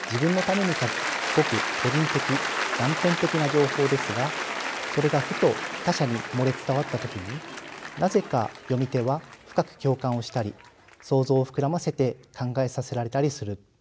情報ですがそれがふと他者に漏れ伝わった時になぜか読み手は深く共感をしたり想像を膨らませて考えさせられたりする。